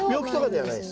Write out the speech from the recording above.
はい。